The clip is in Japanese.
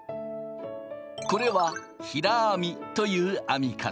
これは平編みという編み方。